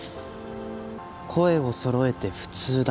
声をそろえて「普通」だと。